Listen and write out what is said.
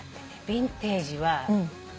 ビンテージは。